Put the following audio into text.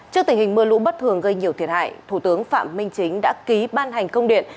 trước tình hình mưa lũ bất thường gây nhiều thiệt hại thủ tướng phạm minh chính đã ký ban hành công điện